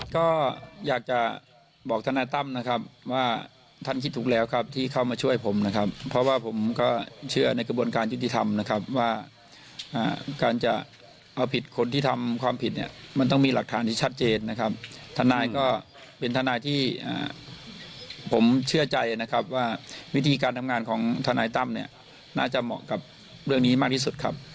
ก็อยากจะบอกทนายตั้มนะครับว่าท่านคิดถูกแล้วครับที่เข้ามาช่วยผมนะครับเพราะว่าผมก็เชื่อในกระบวนการยุติธรรมนะครับว่าการจะเอาผิดคนที่ทำความผิดเนี่ยมันต้องมีหลักฐานที่ชัดเจนนะครับทนายก็เป็นทนายที่ผมเชื่อใจนะครับว่าวิธีการทำงานของทนายตั้มเนี่ยน่าจะเหมาะกับเรื่องนี้มากที่สุดครับ